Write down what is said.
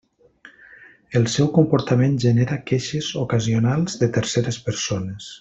El seu comportament genera queixes ocasionals de terceres persones.